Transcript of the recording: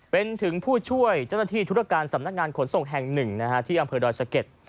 เป็นถึงผู้ช่วยเจ้าหน้าที่ธุรการสำนักงานขนส่งแห่งหนึ่งที่อำเภอดอยสะเก็ด